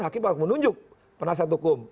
hakim harus menunjuk penasihat hukum